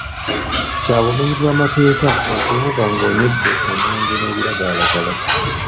Kya bumenyi bwa mateeka okuvuga ng'onywedde omwenge n'ebagalalagala.